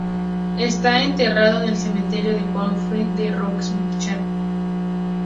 Está enterrado en el Cementerio de Plainfield en Rockford, Míchigan.